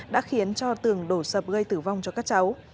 đã khiến cho tường đổ sập gây tử vong cho các cháu